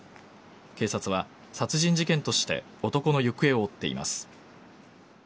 警察は殺人事件として男の行方を追っています。